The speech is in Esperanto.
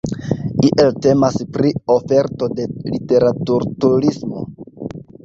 Iel temas pri oferto de literaturturismo.